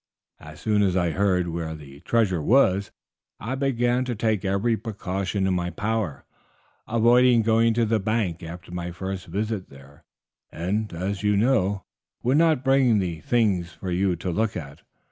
As soon as I heard where the treasure was I began to take every precaution in my power. I avoided going to the bank after my first visit there, and, as you know, would not bring the things for you to look at.